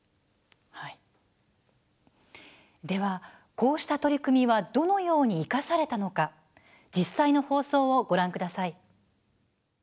では、こうした取り組みはどのように生かされたのか実際の放送をご覧ください。